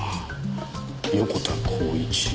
横田幸一。